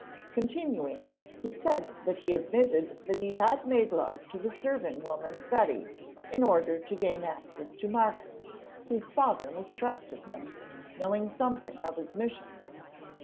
Continuing, he said that he admitted that he had made love to the serving woman, Betty, in order to gain access to Margaret, whose father mistrusted him, knowing something of his mission.